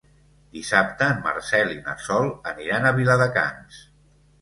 Dissabte en Marcel i na Sol aniran a Viladecans.